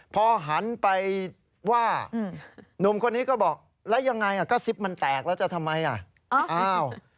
พอหันไปว่าหนุ่มคนนี้ก็บอกแล้วยังไงกระซิบมันแตกแล้วจะทำไมอ่ะอ้าว